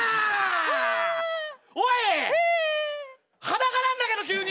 おい裸なんだけど急に。